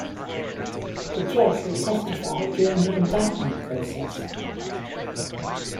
The judge will testify during the indictment process.